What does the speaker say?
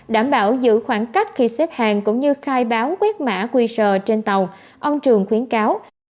đảm bảo giữ khoảng cách khi xếp hàng cũng như khai báo quét mã qr trên tàu ông trường khuyến cáo